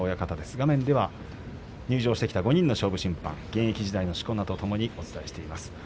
画面では入場してきた５人の勝負審判現役時代のしこ名とともにお伝えしています。